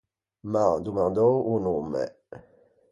M’an domandou o nomme.